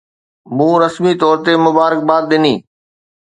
مون رسمي طور تي مبارڪباد ڏني.